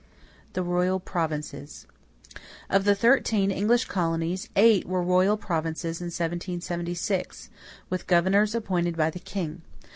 =The Royal Provinces.= Of the thirteen English colonies eight were royal provinces in 1776, with governors appointed by the king.